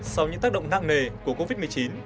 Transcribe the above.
sau những tác động nặng nề của covid một mươi chín